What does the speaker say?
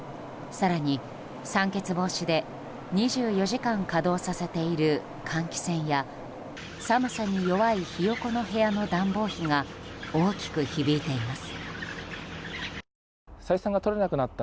更に、酸欠防止で２４時間稼働させている換気扇や寒さに弱いヒヨコの部屋の暖房費が大きく響いています。